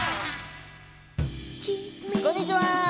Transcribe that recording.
こんにちは！